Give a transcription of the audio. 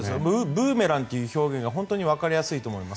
ブーメランという表現が本当にわかりやすいと思います。